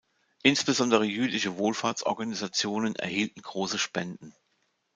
Insbesondere jüdische Wohlfahrtsorganisationen erhielten große Spenden.